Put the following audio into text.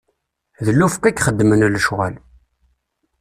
D lufeq i yexeddmen lecɣwal.